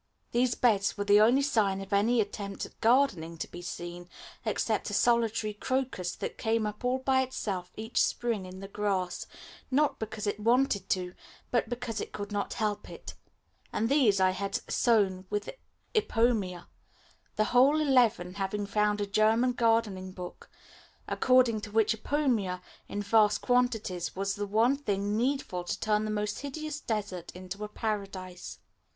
These beds were the only sign of any attempt at gardening to be seen (except a solitary crocus that came up all by itself each spring in the grass, not because it wanted to, but because it could not help it), and these I had sown with ipomaea, the whole eleven, having found a German gardening book, according to which ipomaea in vast quantities was the one thing needful to turn the most hideous desert into a paradise.